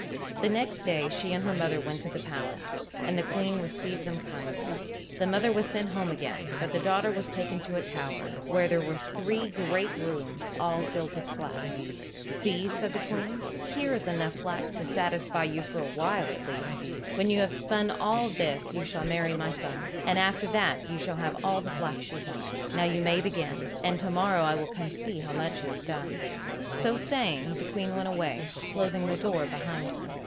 The next day she and her mother went to the palace, and the Queen received them kindly. The mother was sent home again, but the daughter was taken to a tower where there were three great rooms all filled with flax. "See," said the Queen. "Here is enough flax to satisfy you for awhile at least. When you have spun this you shall marry my son, and after that you shall have all the flax you want. Now you may begin, and to morrow I will come to see how much you have done." So saying the Queen went away, closing the door behind her.